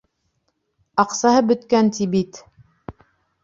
Аҡсаһы бөткән ти бит.